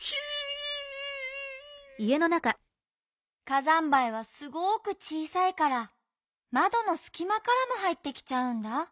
火山灰はすごくちいさいからまどのすきまからもはいってきちゃうんだ。